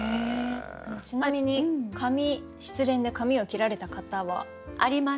ちなみに髪失恋で髪を切られた方は？あります。